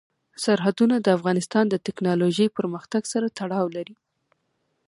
سرحدونه د افغانستان د تکنالوژۍ پرمختګ سره تړاو لري.